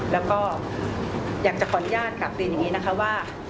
แล้วก็อยากจะขออนุญาตกลับเรียนอย่างนี้นะคะว่า